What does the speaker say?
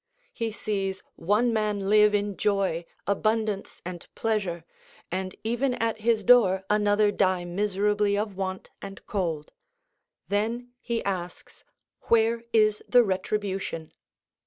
He sees one man live in joy, abundance, and pleasure, and even at his door another die miserably of want and cold. Then he asks, Where is the retribution?